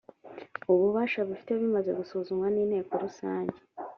ububasha bifite bimaze gusuzumwa ninteko rusange